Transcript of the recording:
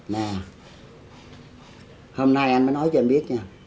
nè hôm nay anh mới nói cho em biết nha